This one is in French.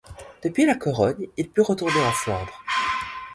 Depuis La Corogne, il put retourner en Flandre.